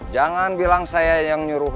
jangan bilang saya yang nyuruh